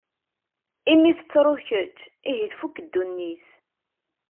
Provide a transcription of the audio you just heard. Imi tettruḍ kečč, ihi tfuk ddunit.